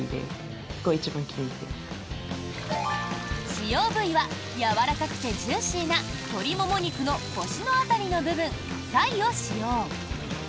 使用部位はやわらかくてジューシーな鶏もも肉の腰の辺りの部分サイを使用。